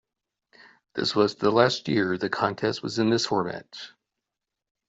This was the last year the contest was in this format.